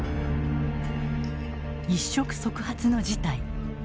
一触即発の事態。